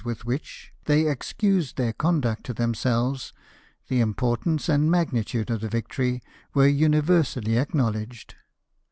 153 they excused their conduct to themselves, the im portance and magnitude of the victory were uni versally acknowledged.